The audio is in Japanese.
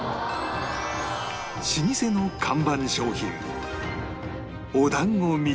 老舗の看板商品